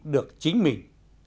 được chính mình